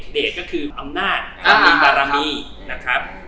เดทก็คืออำนาจอันดับมีปรารามี